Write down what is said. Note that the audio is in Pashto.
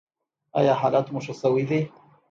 ایا حالت مو ښه شوی دی؟